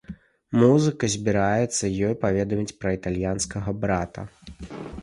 Музыка збіраецца ёй паведаміць пра італьянскага брата.